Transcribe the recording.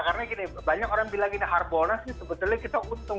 karena banyak orang bilang ini hard bonusnya sebetulnya kita untung